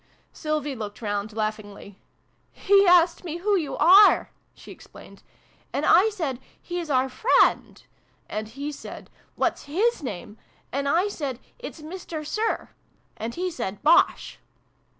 Sylvie looked round laughingly. "He asked me who you are," she explained. "And I said 'He's out friend' And he said ' What's his name ?' And I said ' It's Mister Sir: And he said 'Bosh!'"